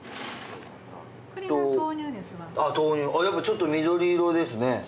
やっぱちょっと緑色ですね。